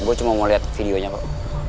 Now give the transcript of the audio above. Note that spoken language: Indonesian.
gue cuma mau liat videonya pak